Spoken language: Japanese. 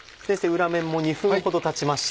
裏面も２分ほどたちました。